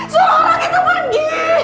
semua orang itu pergi